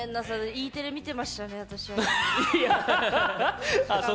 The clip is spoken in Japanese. Ｅテレ見てましたね、私は。